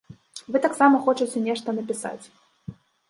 Вы таксама хочаце нешта напісаць.